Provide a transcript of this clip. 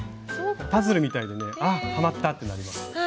パズルみたいでねあっはまったってなります。